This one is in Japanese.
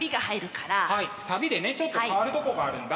はいサビでねちょっと変わるとこがあるんだ。